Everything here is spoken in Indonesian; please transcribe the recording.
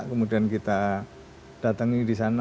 kemudian kita datangin disana